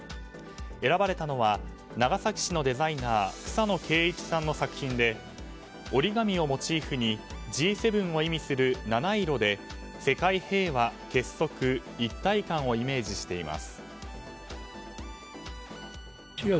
選ばれたのは長崎市のデザイナー草野敬一さんの作品で折り紙をモチーフにＧ７を意味する七色で世界平和、結束、一体感をイメージしています。